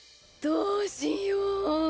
どうしよぉ。